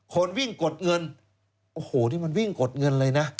คนวิ่งกดเงินโอ้โหนี่มันวิ่งกดเงินเลยนะ